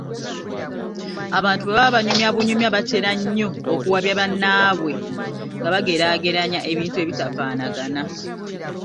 Abantu bwe baba banyumya bunyumya batera nnyo okuwabya bannaabwe nga bageraageranya ebintu ebitafaanaga na.